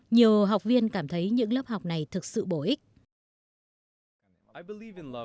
nhiều học viên cảm thấy những lớp học này thực sự bổ ích